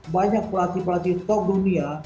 banyak pelatih pelatih top dunia